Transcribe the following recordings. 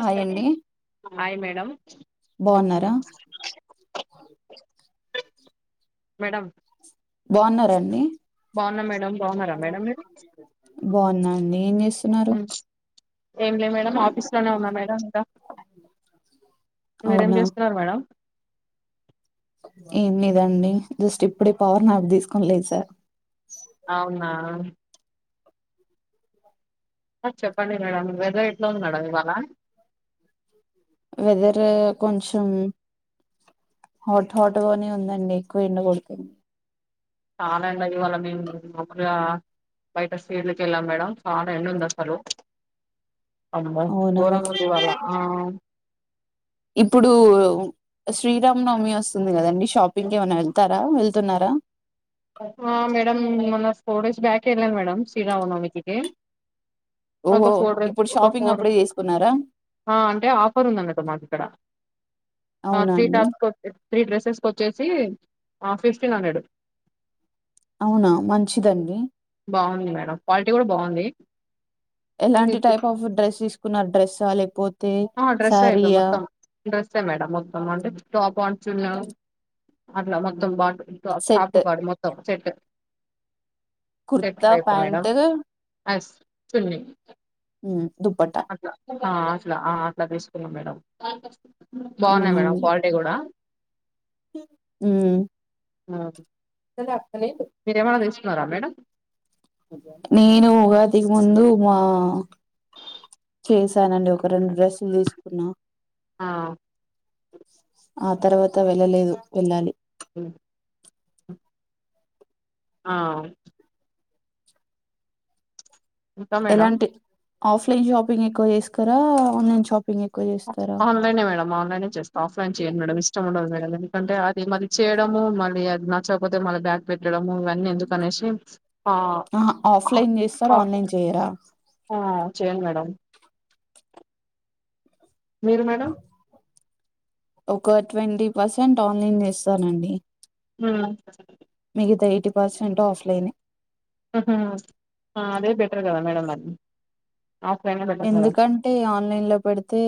Hi అం అండి hi madam బాగున్నారా madam బాగున్నారంండి మేడం బాగున్నారా మేడం మీరు బాగుందండి ఏం చేస్తున్నారు ఏం లే మేడం ఇస్తూనే ఉన్నా మేడం ఇంకా మీరేం అవునా చేస్తున్నారు మేడం ఏన్నిదండి జస్ట్ ఇప్పుడే పవర్ నాఫ తీసుకోనిలేదు సార్ అవునా ఆ చెప్పండి మేడం వెదర్ ఎట్లా ఉంది మేడం ఇవాళ వెదర్ కొంచెం హాట్ హాట్గానే ఉందండి ఎక్కువ ఎండ కొడుతుంది చాలా ఎం అది వాళ్ళ మేము ముగురుగా బయట స్వీడ్లకి వెళ్ళాం మేడం చాలా ఎం ఉంది అసలు అమ్మ అవునా దూరంగా దవాల ఆ ఇప్పుడు శ్రీరామనవమి వస్తుంది కదండి షాపింగ్ కి ఏమైనా వెళ్తారా వెళ్తున్నారా మేడ మన్న స్పొడోస్ డేజ్ బ్యాక్ వెళ మేడ శీరా ఉ న మతికి ఒక ఓహో ఫోర్ డేస్ ఇప్పుడు ఒక షాపింగ్ ఫోర్డే అప్పుడే చేసుకున్నారా అంటే ఆఫర్ ఉందం కదా మాకు ఇక్కడ అవునా త్రీ అండి టాస్ వచ్చే త్రీ డ్రెస్సెస్కి వచ్చేసి ఫిఫ్టీన్ హండ్రెడ్ అవునా మంచిదండి బాగుంది మేడం క్వాలిటీ కూడా బాగుంది ఎలాంటి టైప్ ఆఫ్ డ్రెస్సెస్ నా డ్రెస్ లేకపోతే తే ఆ డ్రెస్ అయిపో సారియా మొత్తం డ్రెస్సే మేడం మొత్తం అంటే టాప్ అంట చున్న అట్లా మొత్తం పాటు ఎ అస్తాపు సెట్ బడ్ మత్త చెట్ కుర్తా ప్యాట్ అస్ చుని ఉ అ ఆ అట్లా అట్లా తీసుకున్నాం మేడం బాగున్నాయి మేడం క్వాలిడే కూడా ఊ ఆ [unintelligible] మీరయా మనద ఉన్నారా మేడమ్ నేను ఉగాదికి ముందు మా చేశానండి ఒక రెండు డ్రెస్సులు తీసుకున్నా ఆ ఆ తర్వాత వెళ్ళలేదు, వెళ్ళాలి ఉ ఆ ఇంకా మేడం ఎలాంటి ఆఫ్లైన్ షాపింగ్ ఎక్కువ చేస్కరా, ఆన్లైన్ షాప్ అ ఆన్లైనె మేడం ఆ న్లైనె చేస్తా, ఆఫ్లైన్ చేయను మేడం, ఇష్టం ఉండదు మేడం. ఎందుకంటే అది మళ్ చేయడము, మళ్ళీ అది నచ్చకపోతే మళ్ళా బ్యాక్ పెట్టడము ఇవన్నీ ఎందుకు అనేసి ఆహ ఆఫ్లైన్ చేస్సరా, ఆన్లైన్ చేయరా చేయన్ మేడం. మీరు మేడం. ఒక ట్వంటీ పర్సెంట్ ఆన్లైన్ చేస్సానండి. హు ఇత ఎయిటీ పర్సెంట్ ఆఫ్లైనే ఉహా, ఆ అదే బెటర్ కదా మేడం నాకి ఎందుకంటే ఆన్లైన్ లో పెడితే,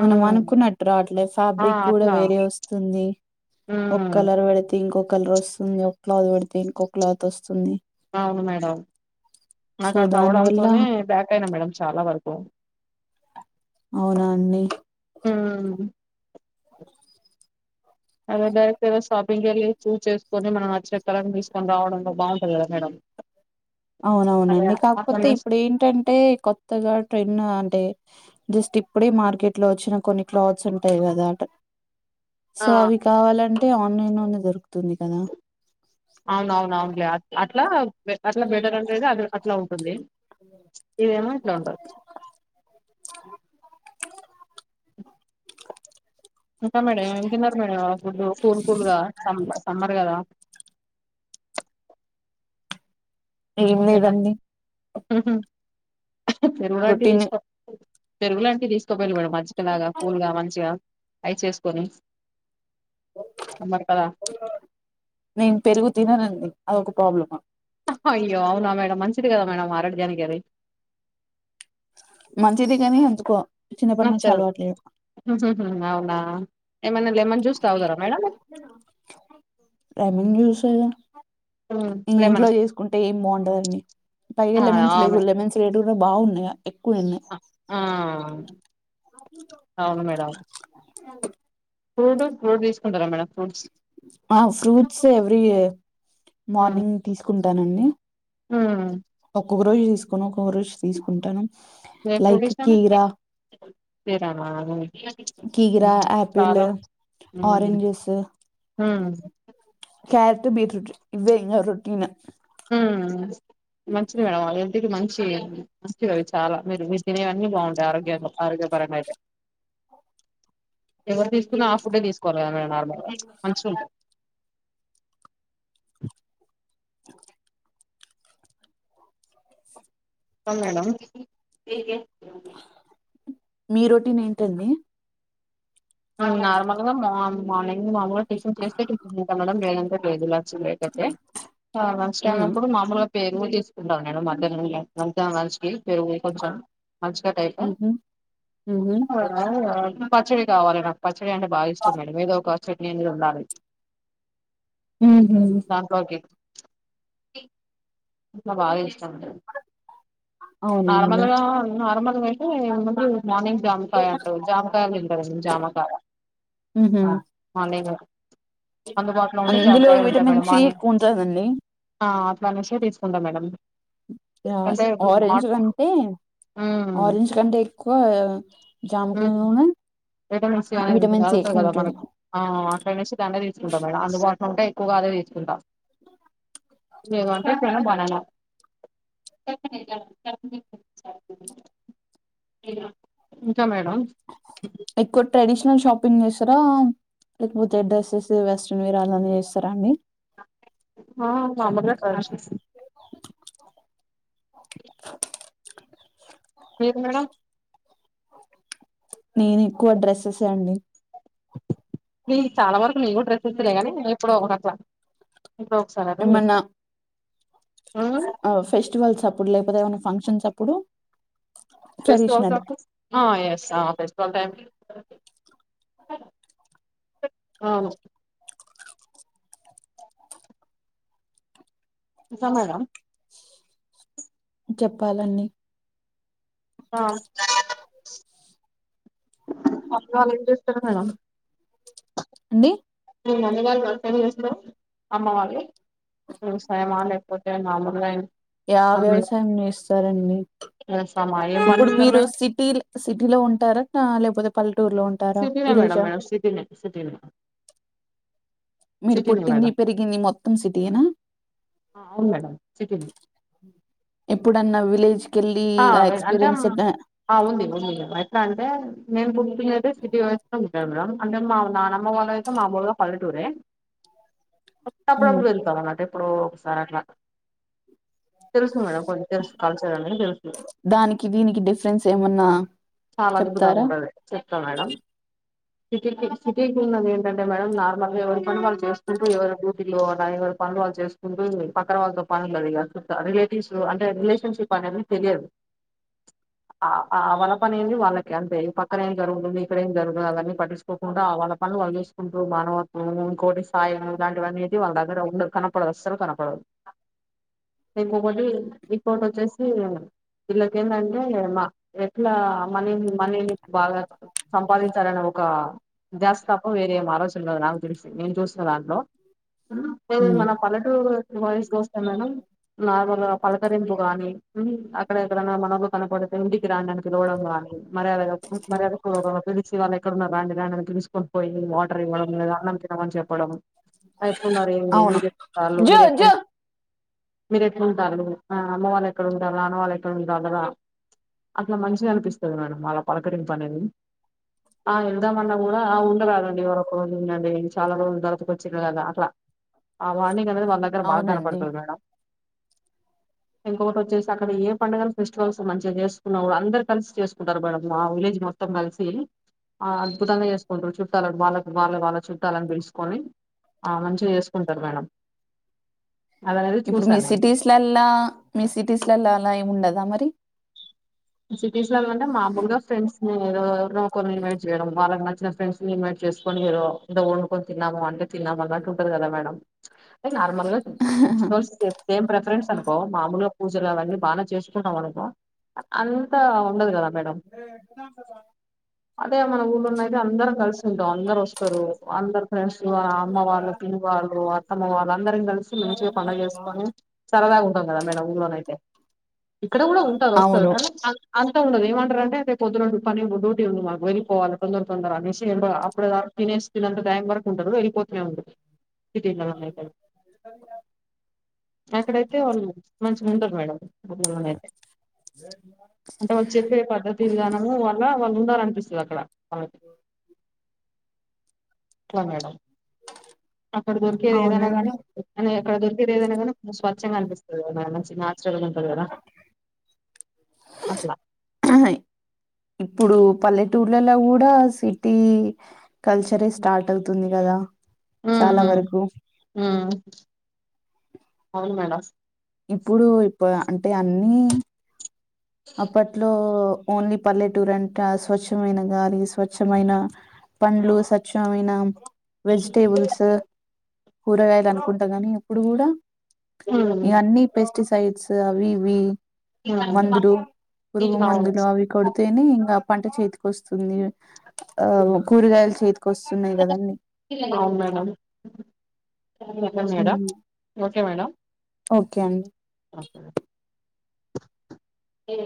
మనం అనుకున్నట్టు రావట్లేదు ఆ ఫ్యాబ్రిక్ కూడా అట్లా వేరే వస్తుంది. ఒక హ్మ్. కలర్ పెడితే ఇంకొ కలర్ వస్సుంది, ఒక క్లాత్ పెడితే ఇంకో క్లాత్ వస్తుంది. అవును మేడం, సో నాకు అట్ల దాని వల్ల అవడంతోనే బ్యాక్ అయినా మేడం. చాలా వరకు అవునా అండి. ఉ అదే డైరెక్ట్ గా షాపింగ్ ఎళ్లి చూజ్ చేసుకొని మన అచ్చిన కలర్ తీసుకొని రావడంలో బావుటంది కదా మేడం‌. అవునవునండి, కాకపోతే ఇప్పుడు ఏంటంటే కొత్తగా ట్రెన్ అంటే జస్ట్ ఇప్పుడే మార్కెట్ లో వచ్చిన కొన్ని క్లాత్స్ ఉంటాయ్, కదా అట ఆ సో అవి కావాలం ఆన్లైన్ నొ దొరుక్ అవునవునవునుల్లే అట్ అట్లా పె పెడ్ రవుండేది. అ అట్లా ఉంటుంది. ఇదేమో ఇట్లా ఉంటది ఇంత మేడం తిన్నారు మేడమ్ ఫుడ్డు కూల్ కూల్గా సమ్ మ్మర్ కదా ఏం లేదండి. హుహు పెరువాటిది రొటీన్ ఇష్టం పెరుగులాంటి దిస్ తొపెలి మేడం మంచ్చిక లాగా కూల్గా మంచిగా అయి చేసుకోని నేను పెరుగు తిననండి అదొక ప్రాబ్లమ అయ్యో అవునా మేడం మంచిది కదా మేడం ఆరగ్యానికి అది మంచిది కాని ఎందుకో నచ్చదు అవునా ఏమన్నా లెమన్ జ్యూస్ తాగుతార లెమన్ జ్యూస్ ఉమ్ హ్మ్. ఇవి లెమన్ ఇంట్లో చేసుకుంటే ఏం బాగుండదని పైగా ఆ లెమన్స్ లే అవును లెమన్స్ లే డుర్ర బాగున్నాయ ఆ అవును మేడం అవు ఫ్రూట్ ఫ్రూట్ తీసుకుంటారా మేడమ్ ఫ్రూట్స్ ఆ ఫ్రూట్స్ ఎవ్రీ హ్మ్. మార్నింగ్ తీసుకుం ధాన్యాన్ని హ్మ్ ఓక్ ఒక్క రోజు తీసుకోను ఒక్కో రోజు తీసుకుంటాను ఏ లైక్ పలిష కీరా శ్రీరామ కీరా ఆపిల్ హ్మ్ ఆరెంజ్ జ్యూస్ హ్మ్ క్యారెట్ బీట్ రూట్ ఇవే ఇంకా రొటీన్ ఉమ్ మంచిది మేడం హెల్త్ కి మంచి మంచివి అవి చాలా మీరు మీ తినేవన్నీ బాగుంటాయి ఆరోగ్యంలో ఆరోగ్యపరంగా అయితే ఎవరు తీసుకున్నా ఆ ఫుడ్డే తీసుకు [unintelligible] అవును మేడం యమ్మీ మీ రొటీన్ ఏంటండి మేం నార్మల్ గా మా మార్నింగ్ మేం మామూలుగా టిఫిన్ చేస్తే టిఫిన్ తింటాం మేడం లేదంటే టిఫిన్ లేదుల ఉమ్ [unintelligible] పెరుగు తీసుకుంటాం మేడం మధ్యాహ్నం మధ్యాహ్నం లంచ్ కి పెరుగు కొంచెం మంచి కట్టయితే ఉహు ఉహు పచ్చడి ప చవాల చ్చ అంటే బాగా ఇష్టం అండి మాది ఒక చెట్ందు ఉన్నారుి ఆ ఆ అ బాగా ఇష్టం ఉంటారు అవునండి నార్మల్గా నార్మల్ అతే మార్నింగ్ జాకాయ అంట్రారు జాముకాయలు ఇల్దార ని జామకాయ ఉహు మార్నింగ్ అందుబాటులో ఉంటే అందులో జామకాయలు ఉంటాయి విటమిన్ మేడం సి ఎక్కువ ఉంటుందండి మనిష తీసుకుందాం మేడడం ఆ రెంజ్ కంటే ఉమ్ ఆరెంజ్ కంటే ఎక్కువ జామకి ఉమ్ నూన విటమిన్ సి అనేది తగుతంది కదా మనకు ఆ ంచితనే తీసుకుా మేడం అందుబాటులో ఉంటే ఎక్కువగా అదే తీసుకుంటాం ఏంట బన ఇంకా మేడం ఎక్కువ ట్రెడిషనల్ షాపింగ్ చేస్తారా లేకపోతే డ్రెస్సెస్ వెస్ట్రన్ వరా అలానే చేస్తారా అండి స హ నేను ఎక్కువ డ్రెస్సెస్ అండి న చాలా వరకు మీకు డ్రెస్ ఇస్తులే గానీ నే ఎప్పుడు ఒక అట్లా ఎప్పుడో ఒకసారి అట్లా ఏమన్నా చేస్తా మ్మ్ ఫెస్టివల్స్ ఇప్పుడు లేకపోతే ఏమైన్నా ఫంక్షన్స్ అప్పుడు ఫస్ ట్రెడిషనల్ ఫస్ల్ టై అవు స మేడమ్ చెప్పాలన్నీ ఆ అప్పుడు వాళ్లు ఏమి చేస్తున్నారు మేడమ్ అండి అ చేస అమ్మ వాళ్ సయమా ఎపోతే నాలు అ యా వ్యవసాయం చెస్తారండి వ్యవసాయమా ఏం ఇప్పుడు పండిస్తారు మీరు మేడం సిటీ సిటీలో ఉంటారా లేకపోతే పల్లె స్తినే మేడం మేడ స్తిని సితిని మీరు పుట్టింది పెరిగింది మొత్తం సిటీ ఏనా ఆ! అవును మేడం సిటీనే ఎప్పుడన్నా విలేజ్ కెళ్ళి ఆ అంటే ఎక్స్పీరియన్స్ ఆ ఉంది ఉంది ఎట్లా అంటే మేము ప దతే సిటీ వయ ఉంటా అంటే మా నాన్నమ్మ వాళ్ళయితే మాములుగా పల్లెటూరే ఉమ్ అప్పుడప్పుడు వెళ్తమ ఎప్పుడో ఒకసారి అట్లా తెలుసు మేడం కొంచెం తెలుసు కల్చర్ తెలు దానికి దీనికి డిఫరెన్స్ ఏమన్నా చాలా అద్భుతంగా చెప్తారా ఉంటది చెప్తా మేడం సిటీకి సిటీకి ఉన్నది ఏంటంటే మేడం నార్మల్ గా ఎవరి పని వాళ్ళు చేసుకుంటూ ఎవరు డ్యూటీలో ఎవరి పనులు వాళ్ళు చేసుంకుంటూ పక్కన వాళ్ళతో పనుండదు ఇంకా ఈ రిలేటివ్స్ అంటే రిలేషన్షిప్ అనేది తెలియదు వాళ్ల పని ఏది వాళ్ళకి అంతే పక్కన ఏం జరగుతుంది ఇక్కడ ఏం జరగుతుంది అవన్నీ పట్టిచ్చుకోకుండా ఆ వాళ్ల పనులు వాళ్ళు చూసుకుంటూ మానవత్వం ఇంకోటి సాయం ఇలాంటివన్నీ వాళ్ళ దగ్గర ఉండదు కనపడదు అసలు కనపడదు ఇంకొకటి ఇంకోటి వచ్చేసి విళ్ళకిఏందంటే మా ఎట్లా మనీని మనీని బాగా సంపాదించాలనే ఒక ద్యాస్తస్పం వేరే ఆలోచన కాదు నాకు తెలిసి నేను చూసిన దాంట్లో అ ఉమ్ మన పల్లటూరు వయస్గా వస్తే మేడం నార్మల్గా పలకరింపు గానీ అక్కడ ఎక్కడన్నా మనబ కనపడితే ఇంటికి రాండి అని పిలవడం గానీ మర్యాద మర్యాద పిలిసి వాళ్ళ ఎక్కడన్నా రాండి రాడానికి పసుకొని పోయి వాటర్ ఇవ్వడం లేదా అన్నం తినమని చెప్పడం ఎట్లున్నారు ఏమి అవును మీరు చళ జో మీరు ఎట్ జో మీరు ఎట్లా ఉంటారు ఆ అమ్మ వాళ్ళు ఎక్కడ ఉండ రానవాళ్ళట్ ఉ అ అట్లా మంచిగా అనిపిస్తుంది మేడం అళ పలకరింపు అనేది ఆ వెళ్దామన్నా కూడా ఉండరాదండి వరక రోజు ఉందండి చాలా రోజులు ధరతకుొచ్చారు కదా అట్లా వా వాళ్ళ దగ్గర బాగా అవునండి కనపడుతుంది మేడం ఇంకొకటి వచ్చే అక్కడ ఏ పండుగల ఫెస్టివల్స్ మంచిగా చేసుకున్నా అందరు కలిసి చేసుకుంటారు మేడం మా విలేజ్ మొత్తం కలిసి అద్భుతంగా చేసుకుంటారు చుట్టాల వాళ్ళ వాళ్ళ వాళ్ళ చుట్టాలని పిలుసుకొని ఆ మంచిగా చేసుకుంటారు మేడం అది అనేది ఇప్పుడు మి చూసాను నేను సిటిస్ లళ్ల మిసి టీస్లలో అలా ఏమి ఉండదా మరి సిటీస్లల్లో అంటే మామూలుగా ఫ్రెండ్స్ ని ఎవరినో ఒకరిని ఇన్వైట్ చేయడం వాళ్ళకి నచ్చిన ఫ్రెండ్స్ నీ యిన్వైట్ చేసుకొని ఏదో వండుకని తిన్నాము అంటే తిన్నాము అన్నట్టు ఉంటది కదా.. మేడం లైక్ నార్మల్ గా సేమ్ ప్రిఫరెన్స్ అనుకో మామూలుగా పూజలు అవన్నీ బాగానే చేసుకుంటాం అనుకో అంత ఉండదు కదా మేడం అదే మన ఊర్లోన అయితే అందరం కలిసి ఉంటాం అందరు వస్తారు అందరు ఫ్రెండ్స్ అమ్మ వాళ్ళు తిని వాళ్ళు అత్తమ్మ వాళ్ళు అందరం కలిసి మంచిగ పండుగ చేసుకొని సరదాగా ఉంటాం కదా మేడం ఊర్లోన అయితే ఇక్కడ కూడా ఉంటారు వ అవును కద అంత ఉండదు ఏమంటారు అంటే తే పొద్దునండు పని డ్యూటీ ఉంది మాకు వెళ్ళిపోవాల తొందర తొందర అనేసి అప్పుడు తినేసి తినంత టైం వరకు ఉంటారు వెళ్ళిపోతనే ఉండదు సిటీలొ వాళ్ళు అక్కడ.... అక్కడైతే వాళ్ళు మంచిగా ఉంటారు మేడం ఎవైనా అయితే అంటే వాళ్ళు చెప్పే పద్ధతి విధానము వాళ్ళ వాళ్ళు ఉండాలనిపిస్తది అక్కడ వాళ్ళకి లా మేడం అక్కడ దొరికేది ఎదనై అవునండి గాని అని అదుర్గ ఇ ఏద స్వచ్ఛంగా అనిపిస్తుంది మ మంచి ఉంటది కదా అట్లా అ ఇప్పుడు పల్లెటూర్లలో కూడా సిటీ కల్చరే స్టార్ట్ అవుతుంది కదా చాలా ఊ‌ఊ వరకు ఊ అవును మేడం ఇప్పుడు ఇప్పు అంటే అన్ని అప్పట్లో ఓన్లీ పల్లెటూరు అంట స్వచ్ఛమైన గాలి స్వచ్ఛమైన పండ్లు స్వచ్ఛమైన వెజిటేబుల్స్ కూరగాయలు అనుకుంటా గానీ ఎప్పుడు కూడా ఉమ్ ఇవన్నీ ఇ సైడ్స్ అవి ఇవి ఉమ్ మందులు పురుగు మందులు అవి కొడు తనే ఇంకా పంట చేతికి వస్తుంది ఆ కూరగాయలు చేతికి వస్తున్నాయి కదండి సరే మేడం ఓకే మేడం ఓకే అండి ఏ